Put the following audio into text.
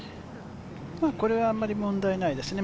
これはあまり問題ないですね。